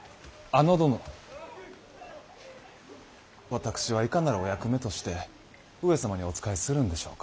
私はいかなるお役目として上様にお仕えするんでしょうか。